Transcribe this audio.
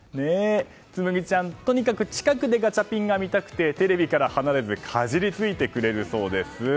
紬麦ちゃん、とにかく近くでガチャピンが見たくてテレビから離れずかじりついてくれるそうです。